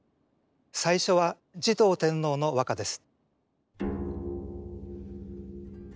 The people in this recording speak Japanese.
最初は持統天皇の和歌です。